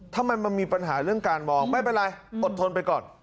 ทำไมมันมีปัญหาเรื่องการมองไม่เป็นไรอดทนไปก่อน